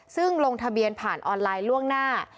ซึ่งลงทะเบียนผ่านออนไลน์ล่วงหน้า